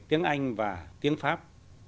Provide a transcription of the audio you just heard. tiếng anh và tiếng pháp